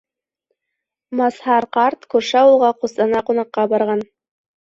Мазһар ҡарт күрше ауылға ҡустыһына ҡунаҡҡа барған.